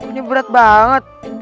ini berat banget